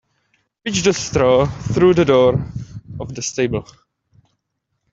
Pitch the straw through the door of the stable.